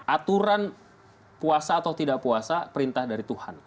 aturan puasa atau tidak puasa perintah dari tuhan